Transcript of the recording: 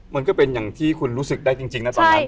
มันก็เป็นอย่างที่คุณรู้สึกได้จริงนะตอนนั้น